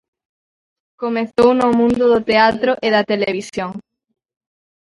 Comezou no mundo do teatro e da televisión.